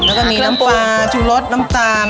แล้วก็มีน้ำปลาชูรสน้ำตาล